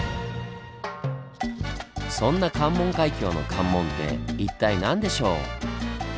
そんな関門海峡の「関門」って一体何でしょう？